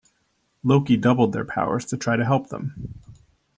Loki doubled their powers to try to help them.